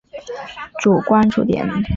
主关注点。